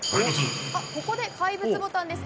ここで怪物ボタンです。